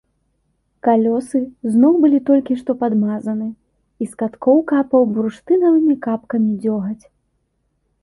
Калёсы зноў былі толькі што падмазаны, і з каткоў капаў бурштынавымі капкамі дзёгаць.